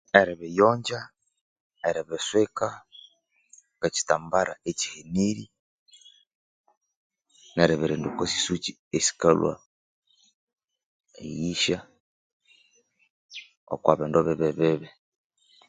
Eribiyonja Eribiswika kwe ekyitambara ekihenirye neribirinda okwa sisuki esikalhwa eyihya okwa bindu bibi bibi